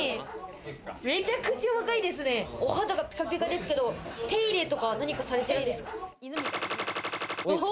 お肌がピカピカですけど、手入れとかは何かされてるんですか？